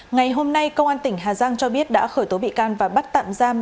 ngày hôm nay công an tỉnh hà giang cho biết đã khởi tố bị can và bắt tạm giam